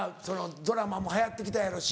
ドラマも流行って来たやろし。